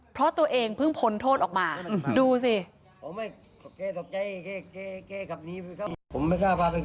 เพราะตัวเองเพิ่งพ้นโทษออกมาดูสิ